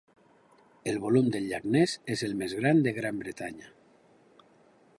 El volum del llac Ness és el més gran de Gran Bretanya.